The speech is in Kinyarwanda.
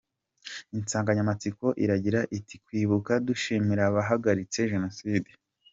Insanganyamatsiko iragira iti “Kwibuka dushimira abahagaritse Jenoside”.